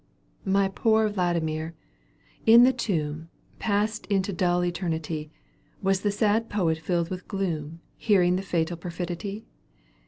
My poor Vladimir ! In the tomb, Passed into duU eternity. Was the sad poet filled with gloom. Hearing the fatal perfidy?